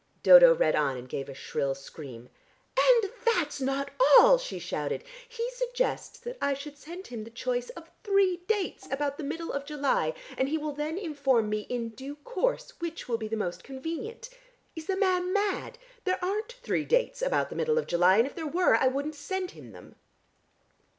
Dodo read on, and gave a shrill scream. "And that's not all!" she shouted. "He suggests that I should send him the choice of three dates about the middle of July and he will then inform me in due course which will be the most convenient. Is the man mad? There aren't three dates about the middle of July, and if there were I wouldn't send him them."